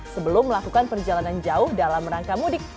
sebelum melakukan perjalanan jauh dalam rangka mudik